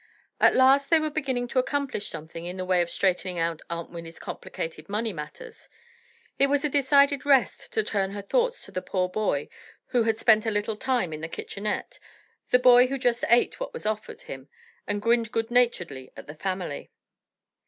At last they were beginning to accomplish something in the way of straightening out Aunt Winnie's complicated money matters. It was a decided rest to turn her thoughts to the poor boy who had spent a little time in their kitchenette—the boy who just ate what was offered him, and grinned good naturedly at the family.